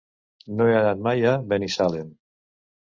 No he anat mai a Binissalem.